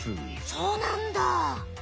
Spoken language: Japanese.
そうなんだ。